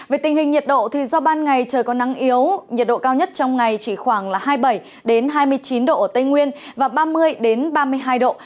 về tình hình nhiệt độ do ban ngày trời có nắng yếu nhiệt độ cao nhất trong ngày chỉ khoảng hai mươi bảy hai mươi chín độ ở tây nguyên và ba mươi ba mươi hai độ